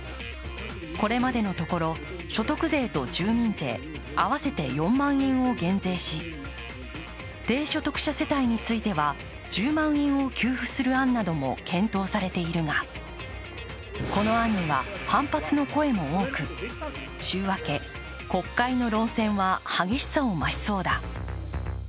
これまでのところ所得税と住民税合わせて４万円を減税し低所得者世帯については１０万円を給付する案なども検討されているがこの案には反発の声も多く、週明け、国会の論戦は激しさを増しそうだ。